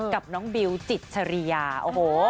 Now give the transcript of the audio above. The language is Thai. กับน้องบิวจิตชริยาโอ้โห